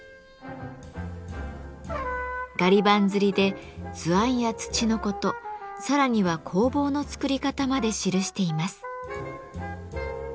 ガリ版刷りで図案や土のことさらには工房の作り方まで記しています。